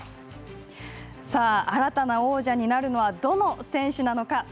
新たな王者になるのはどの選手なのか。